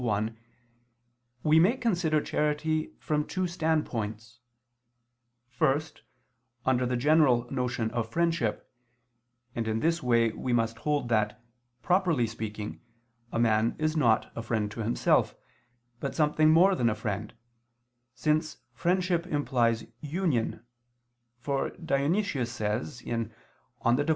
1), we may consider charity from two standpoints: first, under the general notion of friendship, and in this way we must hold that, properly speaking, a man is not a friend to himself, but something more than a friend, since friendship implies union, for Dionysius says (Div.